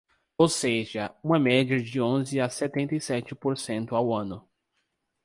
Ou seja, uma média de onze a setenta e sete por cento ao ano.